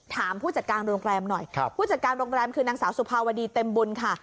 ผู้จัดการโรงแรมหน่อยผู้จัดการโรงแรมคือนางสาวสุภาวดีเต็มบุญค่ะ